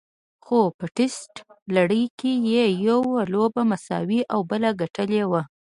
خو په ټېسټ لړۍ کې یې یوه لوبه مساوي او بله ګټلې وه.